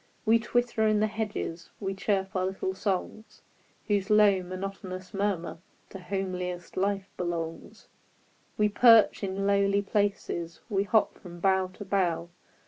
We twitter in the hedges ; We chirp our little songs, Whose low, monotonous murmur To homeliest life belongs ; We perch in lowly places. We hop from bough to bough.